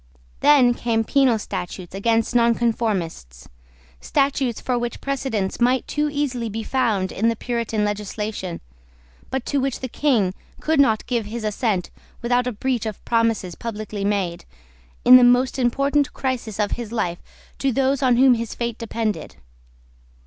Then came penal statutes against Nonconformists, statutes for which precedents might too easily be found in the Puritan legislation, but to which the King could not give his assent without a breach of promises publicly made, in the most important crisis of his life, to those on whom his fate depended.